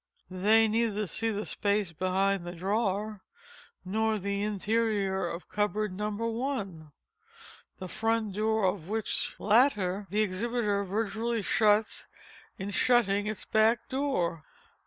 They neither see the space behind the drawer, nor the interior of cupboard No. 1—the front door of which latter the exhibiter virtually shuts in shutting its back door.